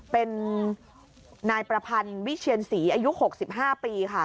เป็นนายประพันธ์วิเชียนศรีอายุ๖๕ปีค่ะ